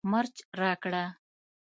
مرچ راکړه